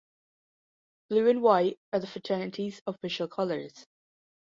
Blue and white are the fraternity's official colors.